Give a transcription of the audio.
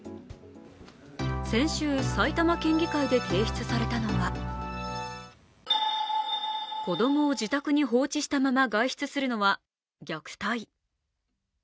先週、埼玉県議会で提出されたのは、子供を自宅に放置したまま外出するのは虐待。